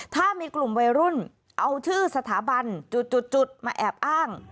ถ้ามีกลุ่มวัยรุ่นเอาชื่อสถาบันจุดมาแอบอ้าง